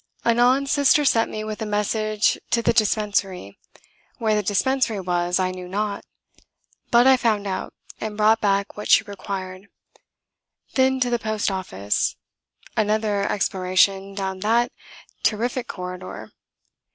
Anon Sister sent me with a message to the dispensary. Where the dispensary was I knew not. But I found out, and brought back what she required. Then to the post office. Another exploration down that terrific corridor.